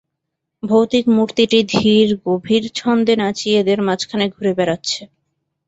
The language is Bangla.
ভৌতিক মূর্তিটি ধীর-গভীর ছন্দে নাচিয়েদের মাঝখানে ঘুরে বেড়াচ্ছে।